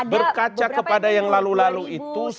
berkaca kepada yang lalu lalu itu